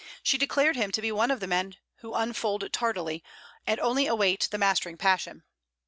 She declared him to be one of the men who unfold tardily, and only await the mastering passion.